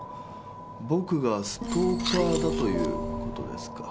僕がストーカーだということですか？